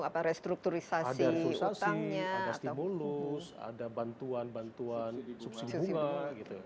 ada restrukturisasi ada stimulus ada bantuan bantuan subsidi bunga